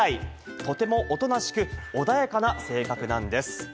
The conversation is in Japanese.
とてもおとなしく、穏やかな性格なんです。